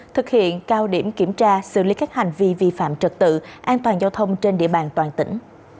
thực hiện cao điểm kiểm tra xử lý các hành vi vi phạm trật tự an toàn giao thông trên địa bàn toàn tỉnh